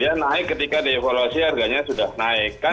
dia naik ketika dia evolusi harganya sudah naik